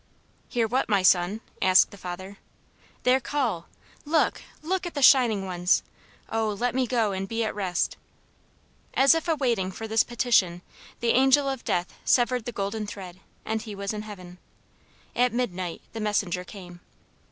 "Hear what, my son?" asked the father. "Their call. Look, look, at the shining ones! Oh, let me go and be at rest!" As if waiting for this petition, the Angel of Death severed the golden thread, and he was in heaven. At midnight the messenger came.